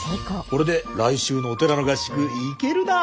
これで来週のお寺の合宿行けるな。